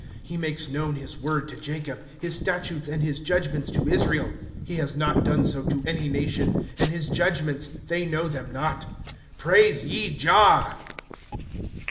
'^ He makes known his word to Jacob, His statutes and his judgments to Israel. *^ He has hot done so to any nation ; And his judgments, they know them not. Praise ye Jah.